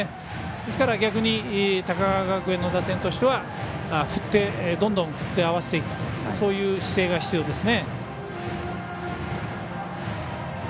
高川学園の打線としてはどんどん振って合わせていくとそういう姿勢が必要ですね。